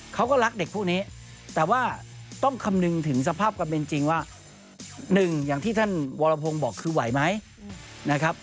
เขาก็รักเด็กพวกนี้แต่ว่าต้องคำนึงถึงสภาพความเป็นจริงว่าหนึ่งอย่างที่ท่านวรพงศ์บอกคือไหวไหมนะครับ